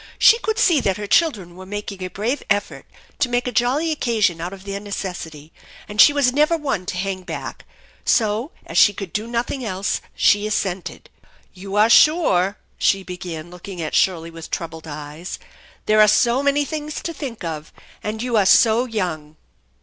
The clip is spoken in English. She could see that her children were making a brave effort to make a jolly occasion out of their necessity, and she was never one to hang back ; so, as she could do nothing else, she assented. "You are sure," she began, looking at Shirley with troubled eyes. " There are so many things to think of, and you are so young."